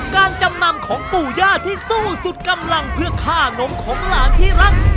จำนำของปู่ย่าที่สู้สุดกำลังเพื่อค่านมของหลานที่รัก